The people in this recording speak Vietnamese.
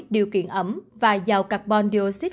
điều kiện ấm và giàu carbon dioxide